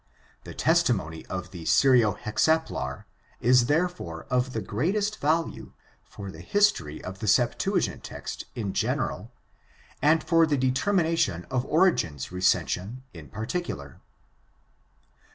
The testimony of the Syro Hexaplar is therefore of the greatest value for the history of the Septuagint text in general and for the determination of Origen's recension in particular.